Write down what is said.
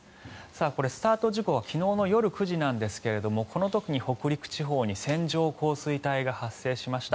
これ、スタート時刻は昨日の夜９時なんですがこの時に北陸地方に線状降水帯が発生しました。